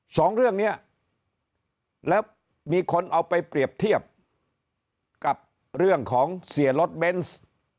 สองเรื่องนี้แล้วมีคนเอาไปเปรียบเทียบกับเรื่องของเสียรถเบนส์